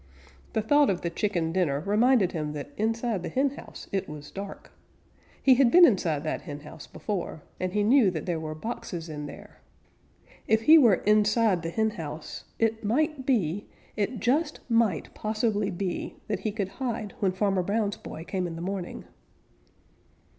The thought of the chicken dinner reminded him that inside the henhouse it was dark. He had been inside that henhouse before, and he knew that there were boxes in there. If he were inside the henhouse, it might be, it just might possibly be, that he could hide when Farmer Brown's boy came in the morning.